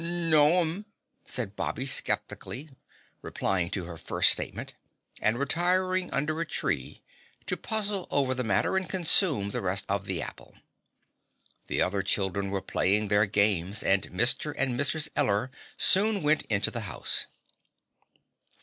"No'm," said Bobby skeptically, replying to her first statement, and retiring under a tree to puzzle over the matter and consume the rest of the apple. The other children were playing their games and Mr. and Mrs. Eller soon went into the house.